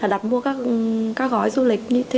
đã đặt mua các gói du lịch